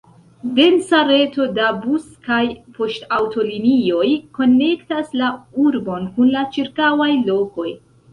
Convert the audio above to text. Densa reto da bus- kaj poŝtaŭtolinioj konektas la urbon kun la ĉirkaŭaj lokoj.